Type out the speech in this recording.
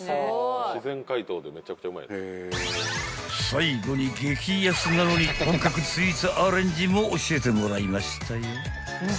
［最後に激安なのに本格スイーツアレンジも教えてもらいましたよ］